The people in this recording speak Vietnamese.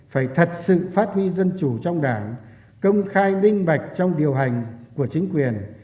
phải thật sự phát huy dân chủ trong đảng công khai minh bạch trong điều hành của chính quyền